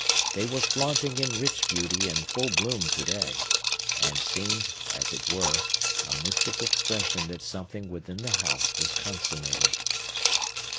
They were flaunting in rich beauty and full bloom to day, and seemed, as it were, a mystic expression that something within the house was consummated.